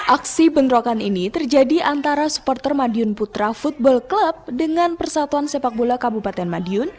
aksi bentrokan ini terjadi antara supporter madiun putra football club dengan persatuan sepak bola kabupaten madiun